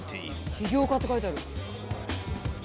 「起業家」って書いてある。